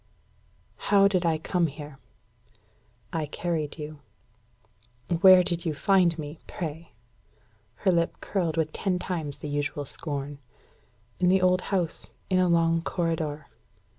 "How did I come here?" "I carried you." "Where did you find me, pray?" Her lip curled with ten times the usual scorn. "In the old house, in a long corridor."